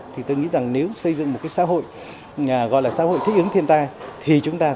thì tôi nghĩ rằng nếu xây dựng một cái xã hội gọi là xã hội thích ứng thiên tai thì chúng ta